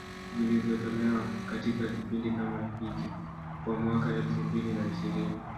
vilivyotolewa katika kipindi kama hiki kwa mwaka elfu mbili na ishirini